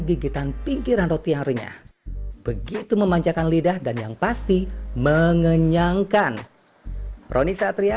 gigitan pinggiran roti yang renyah begitu memanjakan lidah dan yang pasti mengenyangkan roni satria